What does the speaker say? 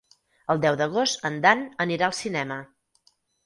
El deu d'agost en Dan anirà al cinema.